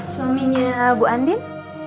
suaminya bu andin